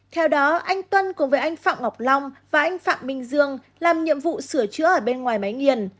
theo đó anh tuân cùng với anh phạm ngọc long và anh phạm minh dương làm nhiệm vụ sửa chữa ở bên ngoài máy nghiền